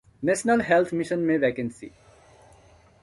national health mission में vacancy